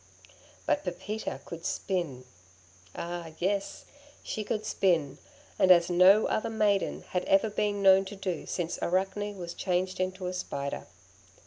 But Pepita could spin. Ah yes, she could spin, and as no other maiden had ever been known to do since Arachne was changed into a spider.